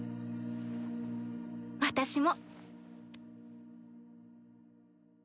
私も。